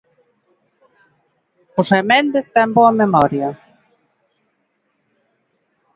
José Méndez ten boa memoria.